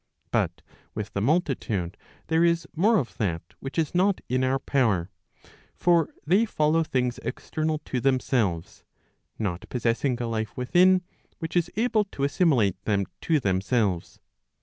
But with the multitude, there is more of that which is not in our power; for they follow things external to themselves, not possessing a life within, which is able to assimilate them Digitized by t^OOQLe AND FATE. 483 to themselves.